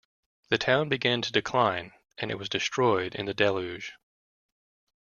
The town began to decline, and it was destroyed in the deluge.